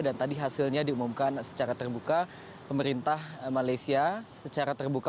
dan tadi hasilnya diumumkan secara terbuka pemerintah malaysia secara terbuka